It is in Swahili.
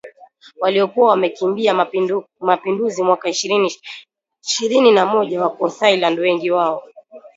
waliokuwa wamekimbia mapinduzi mwaka ishirini ishirini na moja wako Thailand wengi wao